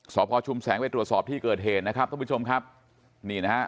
สพชุมแสงไปตรวจสอบที่เกิดเหตุนะครับท่านผู้ชมครับนี่นะฮะ